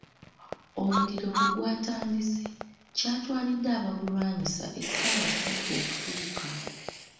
Omuliro bwe gwatandise, kyatwalidde abagulwanyisa essaawa ssatu okutuuka.